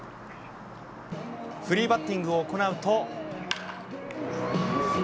フリーバッティングを行うと。